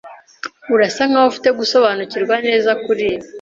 Urasa nkaho ufite gusobanukirwa neza kuribi.